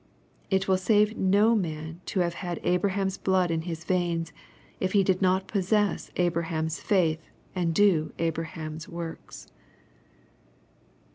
It will save no man to have had Abraham's blood in his veins, if he did not possess Abraham's faith and do Abraham's works.